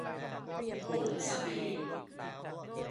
โฮมสเตย์